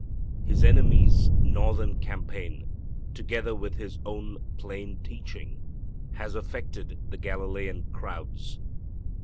His enemies' northern campaign, together with His own plain teaching, has affected the Galilean crowds.